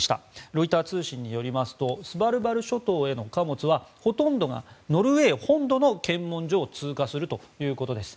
ロイター通信によりますとスバルバル諸島への貨物はほとんどがノルウェー本土の検問所を通過するということです。